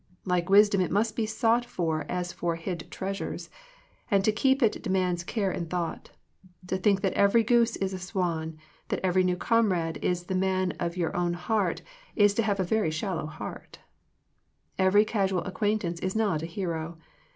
Like wisdom it must be sought for as for hid treasures, and to keep it demands care and thought. To think that every goose is a swan, that every new comrade is the man of your own heart, is to have a very shallow heart Every casual acquaintance is not a hero.